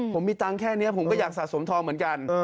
ผมมีตังค์แค่นี้ผมก็อยากสะสมทองเหมือนกัน